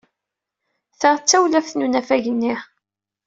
Ta d tawlaft n unafag-nni.